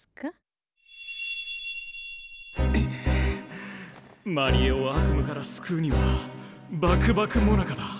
心の声真理恵を悪夢から救うには獏ばくもなかだ。